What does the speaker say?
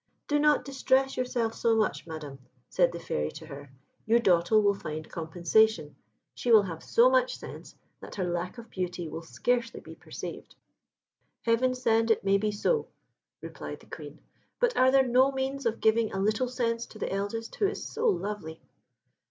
"Do not distress yourself so much, Madam," said the Fairy to her. "Your daughter will find compensation; she will have so much sense that her lack of beauty will scarcely be perceived." "Heaven send it may be so," replied the Queen; "but are there no means of giving a little sense to the eldest, who is so lovely?"